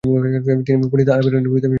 তিনি পণ্ডিত আল বেরুনির সাথে সাক্ষাৎ করেন।